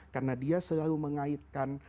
karena dia selalu mengaitkan